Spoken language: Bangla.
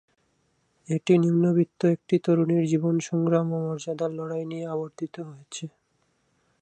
এটি নিম্নবিত্ত একটি তরুণীর জীবন-সংগ্রাম ও মর্যাদার লড়াই নিয়ে আবর্তিত হয়েছে।